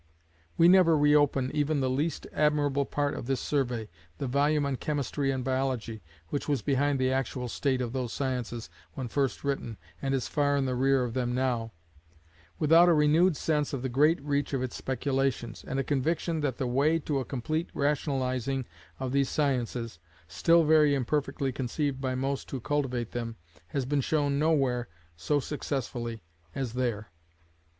We never reopen even the least admirable part of this survey, the volume on chemistry and biology (which was behind the actual state of those sciences when first written, and is far in the rear of them now), without a renewed sense of the great reach of its speculations, and a conviction that the way to a complete rationalizing of those sciences, still very imperfectly conceived by most who cultivate them, has been shown nowhere so successfully as there.